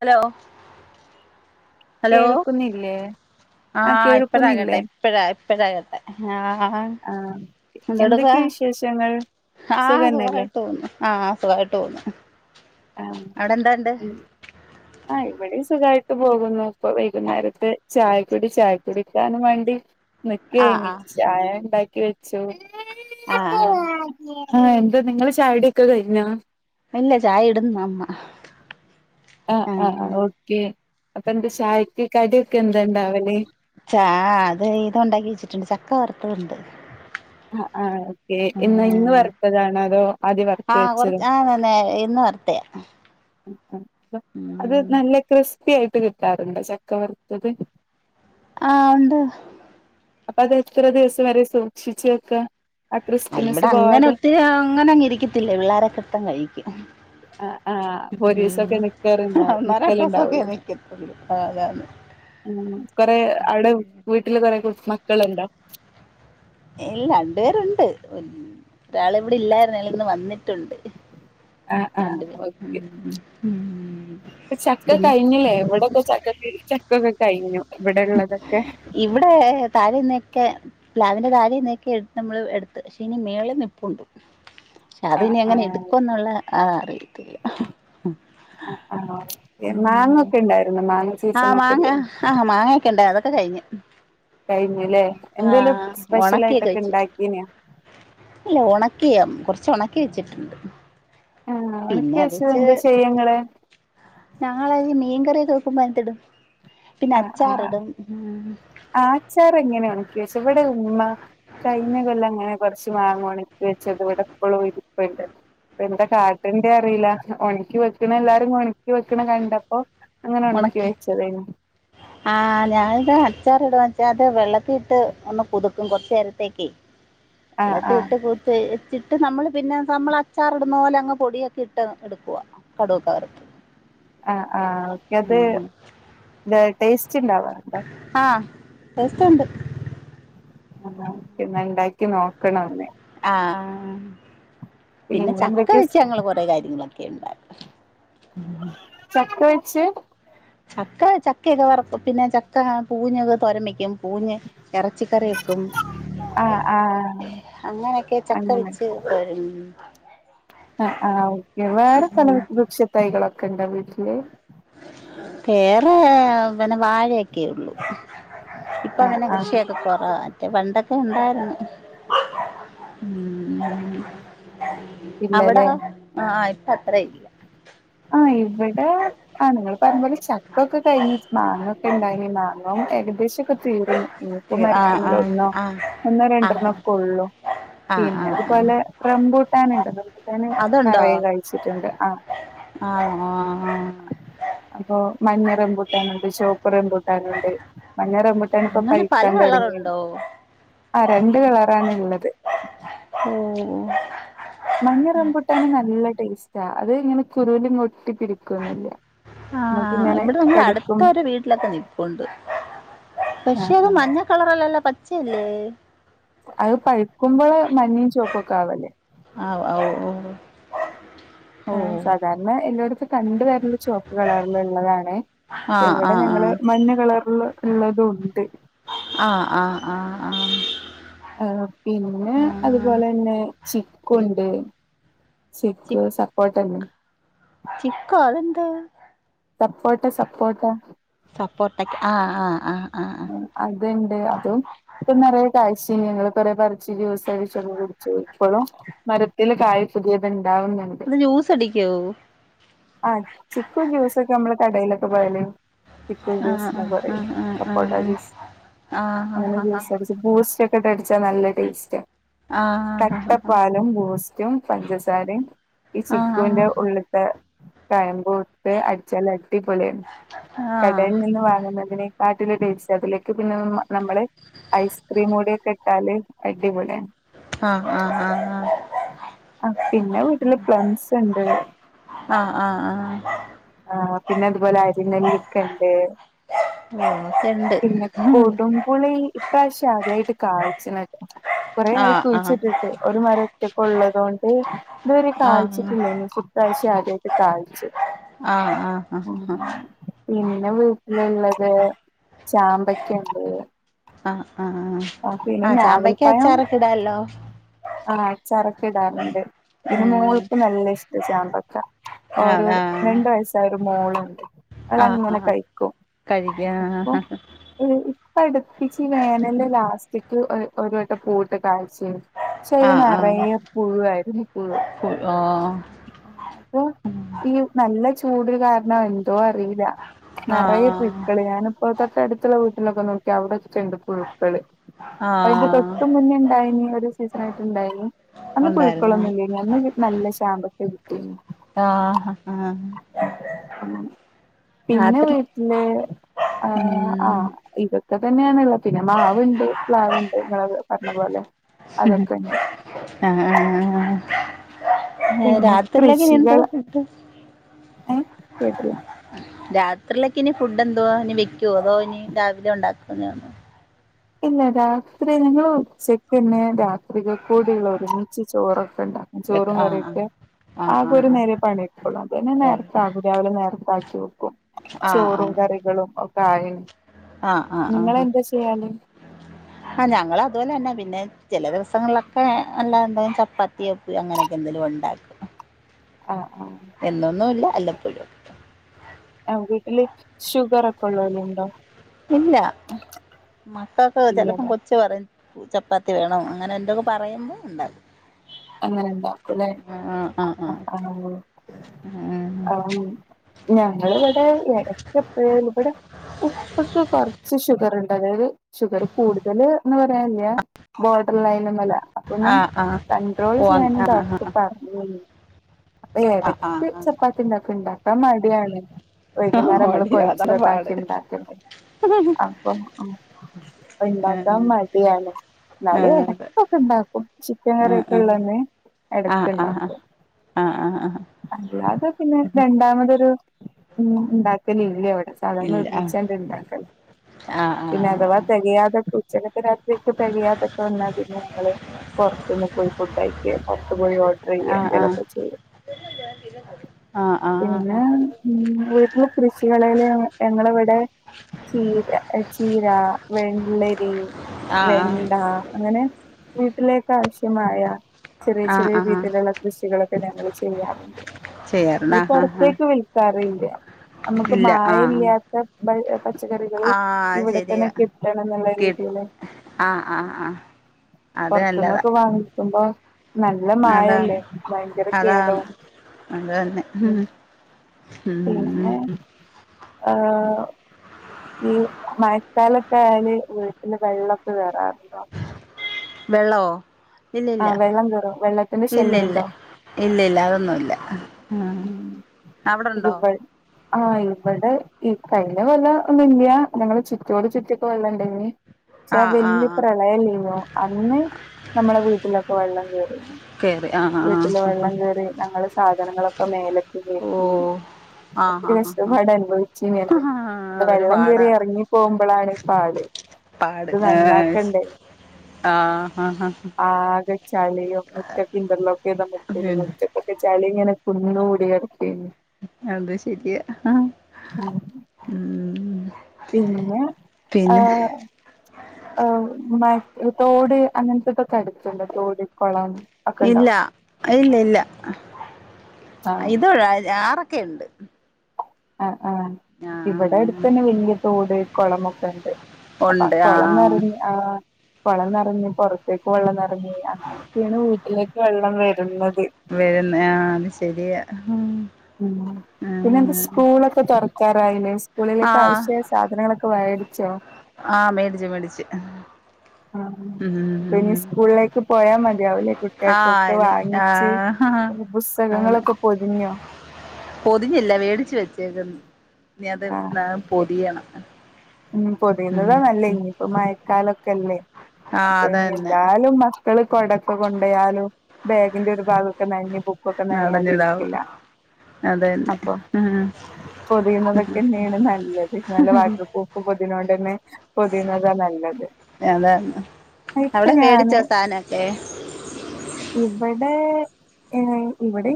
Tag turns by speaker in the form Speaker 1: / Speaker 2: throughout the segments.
Speaker 1: Hello hello
Speaker 2: കേൾക്കുന്നില്ലേ
Speaker 1: ആ ഇപ്പഴാ കേട്ടാ ഇപ്പഴാ പ്പെയാ കേട്ടെ ഹാ ആ എന്തെടുക്കാ
Speaker 2: എന്തൊക്കെ വിശേഷങ്ങൾ
Speaker 1: ആ
Speaker 2: സുഖന്നല്ലേ
Speaker 1: സുഖായിട്ട് പോകുന്നു ആ സുഖായിട്ട് പോകുന്നു
Speaker 2: ആ
Speaker 1: അവിടെ എന്താണ്ട്
Speaker 2: ആ ഇവിടെയും സുഖയിട്ട് പോകുന്നു ഇപ്പൊ വൈകുന്നേരത്തെ ചായ കുടി ചായ കുടിക്കാനും വേണ്ടി നികേനി ചായ ഇണ്ടാ [unintelligible] വെച്ചോ
Speaker 1: ആ ആ
Speaker 2: ആ എന്താ നിങ്ങള് ചായകുടിയൊക്കെ കഴിഞ്ഞാ
Speaker 1: ഇല്ല ചായ ഇടുന്ന് അമ്മ
Speaker 2: അ അ അ
Speaker 1: ആഹ്
Speaker 2: ഓക്കേ അപ്പൊ എന്ത് ചായക്ക് കടിയൊക്കെ എന്താ ഇണ്ടാവല്
Speaker 1: ചാ അത് ഇത് ഒണ്ടാക്കി വെച്ചിട്ടുണ്ട് ച ക്കവർത്തതൊണ്ട്
Speaker 2: ആ ആ ഓക്കെ ഇന്ന് ഇന്ന് വറുത്തതാണോ അതോ ആദ്യം വറുത്ത്
Speaker 1: ആഹ്
Speaker 2: വെച്ചത്
Speaker 1: കൊറച്ച് ആഹ് നേ ഇന്ന് വറത്തയാ
Speaker 2: [unintelligible] അത് നല്ല ക്രിസ് ത്തിയായിട്ട് കിട്ടാറ്ണ്ട് ചക്ക വറുത്തത്
Speaker 1: ആ ഉണ്ട്
Speaker 2: അപ്പ അത് എത്ര ദിവസം വരെ സൂക്ഷിച്ച് വെക്കാ
Speaker 1: ആ ഇവ്ടെ
Speaker 2: ക്രിസ്പിനെസ്
Speaker 1: അങ്ങനെ
Speaker 2: പോവാതെ
Speaker 1: ഒത്തിരി അങ്ങനെ ഇരിക്കത്തില്ല പിള്ളാരൊക്കെ ഇട്ത്തണ്ട് കഴിക്കും
Speaker 2: ആ ആ ഒരീസൊക്കെ നിക്കറ്ണ്ടാവും
Speaker 1: ഒന്നോ രണ്ടോസൊക്കെ
Speaker 2: നിക്കലുണ്ടാവോള്ളൂ
Speaker 1: നിക്കത്തുള്ളൂ അതാണ്
Speaker 2: കൊറെ അവിടെ വീട്ടില് [unintelligible] [unintelligible] മക്കള്ണ്ടോ
Speaker 1: ഇല്ല രണ്ടേരുണ്ട് ഒരാള് ഇവിടെ ഇല്ലായിര്ന്ന് ഇന്ന് വന്നിട്ട് ണ്ട്
Speaker 2: ആ ആ ഒക്കെ
Speaker 1: ഉം.
Speaker 2: ചക്ക
Speaker 1: പിന്നെ
Speaker 2: കഴിഞ്ഞില്ലേ ഇവിടെക്കെ ചക്ക ചക്കൊക്കെ കഴിഞ്ഞു ഇവിടെ ഉള്ളതൊക്കെ
Speaker 1: ഇവിടെ തായെന്ന് ക്കെ പ്ലാവിന്റെ തായേന്ന് നമ്മള് എട്ത്ത് ശേ മേളിൽ നിൽപ്പുണ്ട് അത്
Speaker 2: ആ
Speaker 1: ഇനി
Speaker 2: ആ
Speaker 1: അങ്ങനെ എട്ക്കുംന്നുള്ള ആ അറിയത്തില്ല
Speaker 2: അ ആ മാങ്ങ
Speaker 1: ഉം.
Speaker 2: ഒക്കെ ഇണ്ടായിരുന്നു മാങ്ങ സീസണോക്കെ ല്ലേ
Speaker 1: ണ്ട് അതൊക്കെ കയ്ഞ്ഞു ആ
Speaker 2: എന്തേലും സ്പെഷ്യൽ
Speaker 1: ഒണക്കിയൊക്കെ
Speaker 2: ആയിട്ടൊക്കെ
Speaker 1: വേച്ചിട്ടുണ്ട്
Speaker 2: ഉണ്ടാക്കീനോ
Speaker 1: [unintelligible] ഉണക്കിയം കൊ ഒണക്കി വെച്ച്ട്ട്ണ്ട്
Speaker 2: ആഹ് ഒണക്കിവെച്ചത് എന്താ ചെയ്യാ ങ്ങള്
Speaker 1: ഞങ്ങൾ [unintelligible] പിന്നെ അ
Speaker 2: ആഹ് ആച്ചാർ എങ്ങനെയാണ് [unintelligible] ഉമ്മ കൈഞ്ഞ കൊല്ലം അങ്ങനെ കൊറച്ച് മാങ്ങ ഒണക്കി വെച്ചത് ഇവിടെ ഇപ്പളും ഇരുപ്പുണ്ട് ഇപ്പ എന്താ കാട്ടണ്ടേ അറിയില്ല ഒണക്കി വെക്കണെല്ലാരും ഒണക്കി വെക്കണ കണ്ടപ്പോ അങ്ങനെ ഒണക്കി വെച്ചതെയ്ന്നു
Speaker 1: ആഹ് ഞാനിത് അച്ചാർ ഇടും വെച്ചാ അത് വെള്ളത്തി ഇട്ട് ഒന്ന് കുതുക്കും കൊറ്നേരത്തേക്ക്
Speaker 2: ആഹ്
Speaker 1: വേല്ലത്തി
Speaker 2: ആഹ്
Speaker 1: ഇട്ട് കൂത്ത് ചിട്ട് നമ്മള് പിന്നെ നമ്മൾ അച്ചാറി ഇടുന്ന പോലെ അങ്ങ് പൊടിയൊക്കെ ഇട്ട് എടുക്കവാ കടുവൊക്കെവർത്ത്
Speaker 2: ആഹ് ആഹ് ഓക്കെ അത് ട്ടേയ്സ്റ്റ് [unintelligible]
Speaker 1: ബസുണ്ട്
Speaker 2: [unintelligible] ക്ക് നോക്കണോന്ന്
Speaker 1: ആഹ് പിന്നെ ചക്ക വെച്ച് ഞങ്ങൾ കൊറെേ കാര്യങ്ങളൊക്കെ ഇണ്ടായി [inaudible]
Speaker 2: ചക്ക വെച്ച്
Speaker 1: ചക്ക ചക്കയൊക്കെ വറുക്കും പിന്നെ ചക്ക പൂഞ്ഞൊക്കെ തോരൻവെയ്ക്കും പൂഞ്ഞ് എറച്ചിക്കറി വെക്കും
Speaker 2: ആഹ് ആഹ്
Speaker 1: അങ്ങനൊക്കെ ചക്ക വച്ച് വരും
Speaker 2: ആ ആ ഓക്കെ വേറെ തണൽ വൃക്ഷത്തൈകളൊ ക്കെണ്ടാ വീട്ടില്
Speaker 1: വേറെ പിന്നെ വാഴയൊക്കെയേ ഉള്ളൂ ഇപ്പ
Speaker 2: ആഹ്
Speaker 1: പിന്നെ
Speaker 2: ആഹ്
Speaker 1: കൃഷിയൊക്കെ കൊറവാ മറ്റേ പണ്ടൊക്കെ ഉണ്ടായിരുന്നു ഉം അവിടോ
Speaker 2: ഇല്ലല്ലേ
Speaker 1: അ ആ അത്രയില്ല
Speaker 2: ആ ഇ ഇവിടെ ആ നിങ്ങൾ പറഞ്ഞത്പോലെ ചക്കൊക്കെ കഴിഞ്ഞ് മാങ്ങ ഒക്കെ ഉണ്ടായി മാങ്ങ ഏകദേശൊക്കെ തീർന്നു ഇനിയിപ്പോ
Speaker 1: ആഹ്
Speaker 2: മരത്തുമ്മൽ
Speaker 1: ആഹ്
Speaker 2: ഒന്നോ
Speaker 1: ആഹ്
Speaker 2: ഒന്നോ രണ്ടെണ്ണോ
Speaker 1: ആഹ്
Speaker 2: ഒക്കെ ഉള്ളൂ
Speaker 1: ആഹ് ആഹ് ആഹ്
Speaker 2: പിന്നതുപോലെ റംബൂട്ടാന് ഉണ്ടത് ഞാനും നിറയെ കഴിച്ചിട്ടുണ്ട് ആ
Speaker 1: ആ ആ ആ
Speaker 2: അപ്പൊ മഞ്ഞ റംബൂട്ടാനുണ്ട് ചോപ്പ് റംബൂട്ടാനുണ്ട് മഞ്ഞ റംബൂട്ടാൻ ഇപ്പോ
Speaker 1: അങ്ങനെ പല
Speaker 2: പഴുക്കാൻ തുടങ്ങിയെ
Speaker 1: കളറുണ്ടോ
Speaker 2: ആ രണ്ട് കളറാണ് ഉള്ളത്
Speaker 1: ഉം
Speaker 2: മഞ്ഞ റംബൂട്ടാന് നല്ല ടേസ്റ്റാ അതിങ്ങനെ കുരുവിലൊ
Speaker 1: ആ
Speaker 2: ഇങ്ങനെ
Speaker 1: ഇവിടെ നമ്മൾ
Speaker 2: കടിക്കും
Speaker 1: അടുത്തൊരു വീട്ടിലൊക്കെ നിപ്പോണ്ട് പക്ഷെ
Speaker 2: ആഹ്
Speaker 1: അത്
Speaker 2: ആഹ്
Speaker 1: മഞ്ഞ കളറല്ലല്ലല്ലോ പ പച്ചയല്ലേ
Speaker 2: അത് പഴുക്കുമ്പോള് മഞ്ഞയും ചുവപ്പുക്കെ ആവല്ലേ
Speaker 1: ആ ഓ ഓ
Speaker 2: ആ
Speaker 1: ഓ
Speaker 2: സാധാരണ എല്ലോടു ത്തും കണ്ട് വരുന്നത് ചുവപ്പുകളറാണല്ലോ ഉള്ളത്
Speaker 1: ആഹ്
Speaker 2: ഇവിടെ
Speaker 1: ആഹ്
Speaker 2: ഞങ്ങള് മഞ്ഞ കളറുള്ളതും ഉണ്ട്
Speaker 1: ആ ആ ആ ആ
Speaker 2: ആ പിന്നെ അതുപോലെ തന്നെ ചിക്കുവുണ്ട് ചിക്കു സപ്പോട്ടയല്ലെ
Speaker 1: ചിക്കൊ അതെന്താ
Speaker 2: സപ്പോട്ട സപ്പോട്ട
Speaker 1: സപ്പോർട്ടക്ക ആ ആ ആ ആ ആ
Speaker 2: അതുണ്ട് അതും ഇപ്പൊ നിറയേ കായ്ച [unintelligible] കൊറേ പറിച്ച് ജ്യൂസ്‌ അടിച്ചൊക്കെ കുടിച്ചു ഇപ്പളും മരത്തില് കായ പുതിയതു
Speaker 1: അത് ജ്യൂസ് അടിക്കുവോ
Speaker 2: ആഹ ചിക്കു ജ്യൂസൊക്കെ നമ്മള് കടയിലൊക്കെ പോയാല് ചിക്കു
Speaker 1: ആ ആ
Speaker 2: ജ്യൂസ്
Speaker 1: ആ
Speaker 2: എന്ന്
Speaker 1: ആ ആ ആ
Speaker 2: പറയും സപ്പോട്ട ജ്യൂസ് അങ്ങനെ
Speaker 1: ആ ആ
Speaker 2: ജ്യൂസടിച്ച് ബൂസ്റ്റൊ ഇട്ട് അടിച്ചാ നല്ല ടേസ്റ്റാ
Speaker 1: ആ ആ ആ ആ
Speaker 2: കട്ടപ്പാലും ബൂസ്റ്റും പഞ്ചസാരയും
Speaker 1: ആ
Speaker 2: ഈ
Speaker 1: ആ ആ ആ ആ ആ
Speaker 2: ചിക്കുവിന്റെ ഉള്ളപത്തെ കായം ബോട്ട് അടിച്ചാൽ അടി പൊളിയാണ് കടലിൽ നിന്ന് വാങ്ങുന്നതിനേ നാട്ടിലെ ഡേറ്റ്സ് അതിലേക്ക് പിന്നെ നമ്മള് ഐസ്ക്രീം കൂടിയൊക്കെ ഇട്ടാല് അടിപൊളിയാണ്
Speaker 1: ആഹ ആഹ് ആഹ് ആഹ്
Speaker 2: ആ പിന്നെ വീട്ടില് പ്ലംസ് ഉണ്ട്
Speaker 1: ഹ ആ ആ
Speaker 2: ആ പിന്നെ അതുപോലെ അരി നെല്ലിക്ക ഇണ്ട്
Speaker 1: ഓ ഒക്കെണ്ട്
Speaker 2: പിന്നെ കൊടുംപുളി ഇപ്രാവശ്യം ആദ്യായിട്ട് കാ ചിനക്ക് കുറേ
Speaker 1: ആ
Speaker 2: ആയി
Speaker 1: ആ ആ
Speaker 2: കുഴിച്ചിട്ടിട്ട് ഒരു മരം ഒറ്റകൊള്ളതുകൊണ്ട് ഇതുവരെ
Speaker 1: ആ ആ
Speaker 2: കായ്ച്ചിട്ടില്ല ഇനി [unintelligible] കായിച്ച്
Speaker 1: ആ ആ ഹാ
Speaker 2: ഞങ്ങൾടെ വീട്ടിലുള്ളത് ചാമ്പക്കയുണ്ട്
Speaker 1: ആഹ് ആഹ് ആ് ആഹ ചാമ്പയ്ക്ക
Speaker 2: ഞാവൽപ്പഴം
Speaker 1: അച്ചാറൊക്കെ ഇടാല്ലോ
Speaker 2: അച്ചാറോക്കെ ഇടാറുണ്ട് പിന്നെ
Speaker 1: ഉം
Speaker 2: മോൾക്ക് നല്ല ഇഷ് ഇത് ചാമ്പക്ക ഓരോ
Speaker 1: അതാ
Speaker 2: രണ്ട് വയസാരും മോളുണ്ട്
Speaker 1: ആ ആ
Speaker 2: അതെങ്ങനെ കഴിക്കും
Speaker 1: കഴിക്കാ
Speaker 2: അപ്പൊ അടുപ്പിച്ച് ഈ വേനലിന്റെ ലാസ്റ്റിക്ക്‌ ഒ ഒരു വട്ടം പൂവിട്ട് കായ്ച്ച് ക്ഷേ
Speaker 1: ആ
Speaker 2: അതില്
Speaker 1: ആ
Speaker 2: നിറയെ പുഴുവായിരുന്നു പുഴു
Speaker 1: ഓ
Speaker 2: ഓ അയ്യൂ നല്ല ചൂട് കാരണം എന്തോ അറിയില്ല നറയെ
Speaker 1: ആഹ്
Speaker 2: പുയ്ക്കള് ഞാനിപ്പോ ഇതൊ അടുത്തുള്ള വീട്ടിലൊക്കെ നോക്കി അവിടോച്ചെയുണ്ട് പുഴുക്കള് അതിന്റെ
Speaker 1: ആഹ്
Speaker 2: തൊട്ട് മുന്നേ ഉണ്ടായീഞ്ഞ് സീസൺ ആയിട്ടുണ്ടായിരുന്നു അന്ന്
Speaker 1: ഉണ്ടായിരുന്നു
Speaker 2: പുഴുക്കൊളൊന്നും ഇല്ല്യാഞ്ഞ് അന്ന് നല്ല ശാമ്പ എ [unintelligible]
Speaker 1: ആഹ് ആഹ്
Speaker 2: പിന്നെ
Speaker 1: രാത്രി
Speaker 2: വീട്ടില് ആ ആ
Speaker 1: ഉം
Speaker 2: ഇതൊ ഇതക്ക തന്നെയാണുള്ള പിന്നെ മാവുണ്ട് പ്ലാവുണ്ട് നിങ്ങള് പറഞ്ഞ പോലെ
Speaker 1: മഹ്
Speaker 2: അതൊക്കെ ഉണ്ട്
Speaker 1: ഹ് ആഹ്
Speaker 2: പിന്നെ
Speaker 1: രാത്രിലക്കെ ഇനി എന്തോ ഫുഡ്‌
Speaker 2: ഏഹ് കേട്ടില്ല
Speaker 1: രാത്രിലക്കെ ഇനി ഫുഡ് എന്തുവാ ഇനി വെക്കുവോ അതോ ഇനി രാവിലെ ഒണ്ടാക്കുന്നതാണോ
Speaker 2: ഇല്ല രാത്രി ഞങ്ങള് ഉച്ചക്കന്നെ രാത്രിക്ക് കൂടീള്ള ഒരുമിച്ച് ചോറാ [unintelligible] [unintelligible] ണ്ട
Speaker 1: വെക്ക
Speaker 2: ചോറും
Speaker 1: ആഹ്
Speaker 2: കറിയൊക്കെ
Speaker 1: ആഹ്
Speaker 2: ആകെ
Speaker 1: ആഹ്
Speaker 2: ഒരു നേരെ പണിയെടുക്കുള്ളു അത് തന്നെ നേരത്ത ആകും രാവിലെ നേരത്താക്ക [unintelligible]
Speaker 1: ആഹ് ആഹ്
Speaker 2: ചോറും
Speaker 1: ആഹ്
Speaker 2: കറികളും ഒക്കെ ആയന് നിങ്ങളെന്താ ചെയ്യല്
Speaker 1: ആഹ ഞങ്ങള് അതുപോലെ തന്നെ പിന്നെ ചെല ദിവസങ്ങളിലൊക്കെ എല്ലാ എന്തെും ചപ്പാത്തി [unintelligible] അങ്ങനെയൊക്കെ എന്തെലും ഒക്കെ ഉണ്ടാക്കും
Speaker 2: ആഹ്
Speaker 1: എന്നുന്നൂല്ല അല്ലപ്പൊഴും
Speaker 2: ആഹ് വീട്ടില് ഷുഗർ ഒക്കെ ഒള്ളവരൊണ്ടോ
Speaker 1: ഇല്ല മക്കൾക്ക് ചെലപ്പം
Speaker 2: ഇല്ലല്ലേ
Speaker 1: കൊച്ച് പറ [unintelligible] ചപ്പാത്തി വേണം അങ്ങനെ എന്തൊക്കെ പറയുമ്പ ഒണ്ടാക്കും
Speaker 2: അങ്ങനെ ഉണ്ടാക്കുംല്ലെ ആഹ് ആഹ് ആഹ് ഉം ആഹ് ഉം ഞങ്ങളിവിടെ എടക്കെപ്പഴേലും ഇവിടെ ഉപ്പൊക്കെ കുറ [unintelligible] ഷുഗർ ഉണ്ട് അതായത് ഷുഗറ് കൂടുതൽ എന്ന് പറയനില്യ ബോ [unintelligible] മല അപ്പൊന്നെ
Speaker 1: ആഹ്
Speaker 2: ക
Speaker 1: ഉം ആഹ് ആഹ് ഓ
Speaker 2: [unintelligible]
Speaker 1: ആഹ്
Speaker 2: ഞാനി ഡോക്ടർ പറഞ്ഞു മം അപ്പ
Speaker 1: ആഹ് ആഹ് ആഹ്
Speaker 2: എടയ്ക്ക്
Speaker 1: ആഹ്
Speaker 2: ചപ്പാത്തിഇണ്ടാക്കണ്ട ഇപ്പ മടിയാണ് വൈകുന്നേരം നമ്മള്
Speaker 1: മടിയാ
Speaker 2: കൊഴച്ച്
Speaker 1: അതാണ് പാട്
Speaker 2: പരത്തി ഒണ്ടാക്കണ്ടെ അപ്പൊ മം അപ്പൊ
Speaker 1: ആഹ്
Speaker 2: ഒണ്ടാക്കാൻ മടിയാണ് എന്നാല്
Speaker 1: ആഹ് അതെ
Speaker 2: ഇടക്കൊക്കെ ഒണ്ടാക്കും ചിക്കൻ കറി
Speaker 1: ആഹ്
Speaker 2: ള്ളെന്നെ
Speaker 1: ആഹ് ആഹ്
Speaker 2: എടക്കൊണ്ടാക്കും
Speaker 1: ആഹ് ആഹ് ആഹ് ആഹ്
Speaker 2: അല്ലാതെ പിന്നെ രണ്ടാമതൊരു ഒന്നും ഉണ്ടാക്കലില്ലേ വിടെ സാധാരണ
Speaker 1: ഇല്ല ആഹ്
Speaker 2: ഒരുമിച്ചാണ് ഇ ണ്ടാക്കല്
Speaker 1: ആഹ്
Speaker 2: പിന്നെ അഥവാ തെ കയാതൊക്കെ ഉച്ചക്കത്തെ രാത്രീക്കെ തെകയാതൊക്കെ വന്നാൽ പിന്നെ ഞങ്ങൾ പുറത്തന്ന് ഉണ്ടാക്കിയെ പുറത്ത് പോയി ഓഡർ ചെയ്യുക
Speaker 1: ആഹ് ആഹ്
Speaker 2: എന്തെലൊക്കെ ചെയ്യും
Speaker 1: ആഹ് ആഹ് ആഹ്
Speaker 2: പിന്ന മം വീട്ടില് കൃഷി ഞങ്ങളന്നാണ് ഞങ്ങള് ഇവിടെചീര ഏഹ് ചീ ര വെള്ളരി വെണ്ട
Speaker 1: ആഹ്
Speaker 2: അങ്ങനെ വീട്ടിലേക്ക് അവശ്യ മയാ ചെറിയ ചെറിയ
Speaker 1: ആഹ് ആഹ്
Speaker 2: രീതിയിലുള്ള കൃഷികളൊക്കെ ഞങ്ങള് ചെയ്യാനുണ്ട്
Speaker 1: ചെയ്യാറുണ്ട്
Speaker 2: അത്
Speaker 1: ആഹ് ആഹ് ആഹ്
Speaker 2: പുറത്തേക്ക് വിൽക്കാറ [unintelligible] നമുക്ക് മായയില്ലാത്ത [unintelligible]
Speaker 1: ആ ശരിയാ
Speaker 2: എന്നുള്ള
Speaker 1: കി
Speaker 2: രീതിയില്
Speaker 1: ആഹ് ആഹ് ആഹ അത് നല്ലതാ
Speaker 2: ത്പ നല്ല മായല്ലേ
Speaker 1: അതാണ്
Speaker 2: ഭയങ്കര കേടോ
Speaker 1: അതാണ് അത് തന്നെ
Speaker 2: ഉം പിന്നെ
Speaker 1: ഉം
Speaker 2: ആ ഈ മഴക്കാലൊക്കെ ആയാല് വീട്ടില് വെള്ളമൊക്കെ വരാറുണ്ടോ
Speaker 1: വെള്ളോ ഇല്ല ഇല്ല
Speaker 2: വെള്ളം കേറും വെള്ളത്തിന്റെ
Speaker 1: ഇല്ല
Speaker 2: ശല്യം
Speaker 1: ഇല്ല
Speaker 2: ഉണ്ടോ
Speaker 1: ഇല്ല ഇല്ല അതൊന്നുംല്ല ഉം അവിടെണ്ടോ
Speaker 2: ഇവ ആഹ് ഇവിടെ ഈ കയ്യില കൊല്ല ഒന്നും ഇല്ല ഞങ്ങള് ചുറ്റിയോട് ചുറ്റിയൊക്കെ വല്ല ഉണ്ടെ ചാ
Speaker 1: ആഹ്
Speaker 2: വലിയ
Speaker 1: ആഹ് ആഹ്
Speaker 2: പ്രളയല്ലേന്നോ അന്ന് നമ്മടെ വീട്ടിലൊക്കെ വെള്ളം കേറി
Speaker 1: കേറി ആഹ്
Speaker 2: വീട്ടില്
Speaker 1: ആഹ് ആഹ്
Speaker 2: വെള്ളം കേറി ഞങ്ങള് സാധനങ്ങളൊ [unintelligible] [unintelligible]
Speaker 1: ഓഹ് ആഹ്
Speaker 2: ഒത്തിരി
Speaker 1: ആഹ് ആഹ്
Speaker 2: കഷ്ടപ്പാട് അനുഭവിച്ചീന്ന്
Speaker 1: ആഹ്
Speaker 2: എന്റെ
Speaker 1: അതൊരു
Speaker 2: വെള്ളം കേയറി
Speaker 1: പാടാ
Speaker 2: ഇറങ്ങി പോകുമ്പോഴാണ് പാട്
Speaker 1: പാട്
Speaker 2: ഇത്
Speaker 1: ഏഹ്
Speaker 2: നന്നാക്കണ്ടേ
Speaker 1: ആഹ് ആഹ്
Speaker 2: ആകെ ചളിയും മുറ്റത്ത് ഇന്റിലോക്ക് മുറ്റന്
Speaker 1: പിന്നെ
Speaker 2: മുറ്റക്കൊക്കെ ചളിയും [unintelligible] കുന്നു കൂടി [unintelligible]
Speaker 1: അത് ശരിയാ ആ ഉം
Speaker 2: പിന്നെ ആ
Speaker 1: പിന്നെ
Speaker 2: തോട് അങ്ങനത്തതൊക്കെ അടുത്തുണ്ട് തോട് കോളം
Speaker 1: ഇല്ല ഇല്ല ഇല്ല
Speaker 2: ആഹ്
Speaker 1: ഇതഴ ആറൊ ക്കെ ഉണ്ട്
Speaker 2: ആ ആ ഇവിടെ അടുത്ത് തന്നെ വലിയ തോട് കുളമൊക്കെ ഉണ്ട് അപ്പൊ
Speaker 1: ഉണ്ട് ആഹ്
Speaker 2: കൊളന്നറിഞ്ഞ ആ കൊള്ളം നിറഞ്ഞ് പുറത്തേക്ക് വെള്ളം നിറഞ്ഞ് അങ്ങനെയൊക്കെയാണ് വീട്ടിലേക്ക് വെള്ളം വരുന്നത്
Speaker 1: വരുന്ന ആ അത് ശെരിയാ
Speaker 2: ഉ പിന്നെ എന്ത സ്കൂളൊക്കെ തുറക്കാറായില്ലേ സ്കൂളിലക്കെ
Speaker 1: ആഹ്
Speaker 2: ആവശ്യ സാധനങ്ങളൊക്കെ വാടിച്ചോ
Speaker 1: ആഹ് മേടിച്ച് മേടിച്ച്
Speaker 2: ആ അപ്പൊ ഇനി
Speaker 1: ഉം
Speaker 2: സ്കൂളിലേക്ക് പോയാ മതിയാവൂല്ലേ
Speaker 1: ആഹ്
Speaker 2: കുട്ടികൾക്കൊക്കെ
Speaker 1: ഇനി
Speaker 2: വാങ്ങിച്ച്
Speaker 1: ആഹ് ആന്ന്
Speaker 2: പുസ്തകങ്ങളൊക്കെ പൊതിഞ്ഞോ
Speaker 1: പൊതിഞ്ഞില്ല മേടിച്ച വെച്ചേക്കന്ന് ഇനി അത് ഏ പൊതിയയണം
Speaker 2: ഉ പൊതിയുന്നതാ നല്ലേ ഇനിയിപ്പോ മഴക്കാലൊക്കെല്ലേ
Speaker 1: ആഹ്
Speaker 2: അപ്പൊ ഇനി
Speaker 1: അതന്നെ
Speaker 2: എന്താലും കള് കൊടക്ക കൊണ്ടയാലും ബാഗിന്റെ ഒരു ഭാഗൊക്കെ നനഞ് അപ്പൊക്കെ
Speaker 1: നടഞ്ഞിടാവൂ
Speaker 2: നനയാതിരിക്കില്ല
Speaker 1: അതന്നെ
Speaker 2: അപ്പൊ
Speaker 1: ഉം
Speaker 2: പൊതിയുന്നതൊക്കെന്നെണ് നല്ലത് നല്ല വാട്ടർ പ്രൂഫ് പൊതിനോഡന്നെ പൊതിയുന്നതാ നല്ലത്
Speaker 1: അതന്നെ
Speaker 2: ഇപ്പൊ
Speaker 1: അവിടെ
Speaker 2: ഞാന്
Speaker 1: മേടിച്ചോ സാധനൊക്കെ
Speaker 2: ഇവിടെ ഏഹ് ഇവിടെ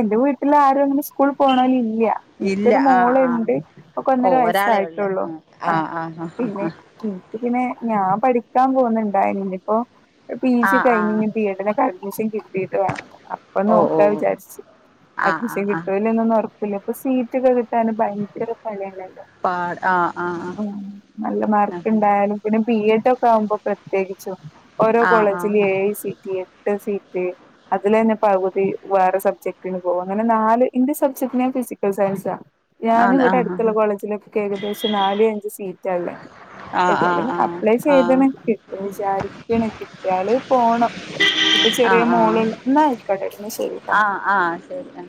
Speaker 2: എന്റെ വീട്ടിൽ ആര അങ്ങനെ സ്കൂളിൽ പോണലി ഇല്ല
Speaker 1: ഇല്ല
Speaker 2: എനിക്കൊരു
Speaker 1: ആഹ് ആഹ്
Speaker 2: മോളുണ്ട്
Speaker 1: ഓ
Speaker 2: ഒന്നര
Speaker 1: ഒരാളെ ഉള്ളു
Speaker 2: വയസ്സായിട്ടുള്ളൂ ആ
Speaker 1: ആഹ് ആഹ് ആഹ്
Speaker 2: പിന്നെ എനിക്ക് പിന്നെ ഞാൻ പഠിക്കാൻ പോകുന്നുണ്ടയി ഞ്ഇപ്പോ പിജി
Speaker 1: ആഹ്
Speaker 2: കഴിഞ്
Speaker 1: ആഹ്
Speaker 2: ഇനി ബി എഡിന് ഹേഗളൂസിങ് കിട്ടീട്ടവേണം അപ്പൊ
Speaker 1: ഓ ഓ
Speaker 2: നോക്കാ വിചാരിച്ച്
Speaker 1: ആഹ്
Speaker 2: അഡ്മിഷൻ
Speaker 1: ആഹ് ആഹ്
Speaker 2: കിട്ടോ ഇല്ലേ ന്നൊന്നൊറ് ഇനിപ്പൊ സീറ്റൊക്കെ കിട്ടാൻ ഭയങ്കര പണിയാണ്
Speaker 1: പാട് ആ ആ
Speaker 2: ഹം നല്ല
Speaker 1: ആ
Speaker 2: മാർക്ക് ഉണ്ടായാലും പിന്നെ ബി എഡ് പ്പോക്കെ ആവുമ്പോ പ്രത്യേകിച്ചും ഓരോ
Speaker 1: ആ ആ ആ
Speaker 2: കോളേജില് എയിസിറ്റിമ് ട്ട് സീറ്റ് അതിൽ തന്നെ പകുതി വേറെ സബ്ജക്ടിന് പോക അങ്ങനെ നാല് ഇന്ന സബ്ജക്ട് ഞാൻ ഫിസിക്കൽ സയൻസാ ഞാൻ
Speaker 1: ആ ആ
Speaker 2: ഇവിടെ
Speaker 1: ആ ആ
Speaker 2: അടുത്തുള്ള കോളേജിലൊക്കെ ഏകദേശം നാല് അഞ്ച് സീറ്റള്ളേ
Speaker 1: ആ
Speaker 2: ഏതായാലും അപ്ലൈ
Speaker 1: ആ
Speaker 2: ചെയ്തണ കിട്ടും വിചാരിക്കണ കിട്ടിയാല് പോണം ഇപ്പൊ
Speaker 1: ആ
Speaker 2: ചെറിയ മോള്ള് ള്ള ന്നാ ആയിക്കട്ടെന്നാ ശരിട്ടാ
Speaker 1: ആ ആ ആ ശരി ആ